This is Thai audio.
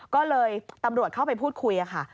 ก็เลยตำรวจเข้าไปพูดคุยค่ะ